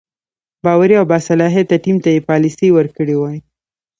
باوري او باصلاحیته ټیم ته یې پالیسي ورکړې وای.